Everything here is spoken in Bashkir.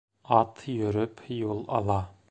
Ат йөрөп юл ала.